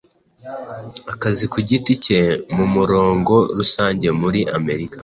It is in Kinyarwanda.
akazi kugiti cye mumurongo rusange muri Amerika